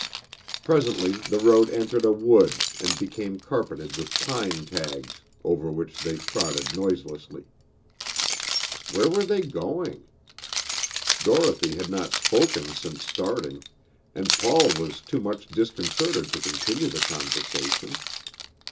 Presently the road entered a wood and became carpeted with pine tags, over which they trotted noiselessly. Where were they going? Dorothy had not spoken since starting, and Paul was too much disconcerted to continue the conversation.